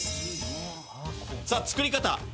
さあ作り方。